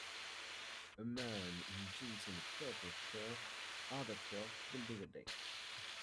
A man in jeans and a purple shirt hard at work building a deck.